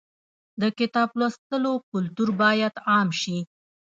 د کتاب لوستلو کلتور باید عام شي.